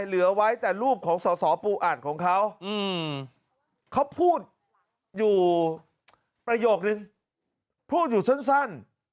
เหลือไว้แต่รูปของสอสอปูอัดของเขาเขาพูดอยู่ประโยคนึงพูดอยู่สั้น